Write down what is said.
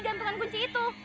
gantungan kunci itu